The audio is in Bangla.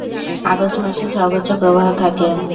আগস্ট মাসে সর্বোচ্চ প্রবাহ থাকে।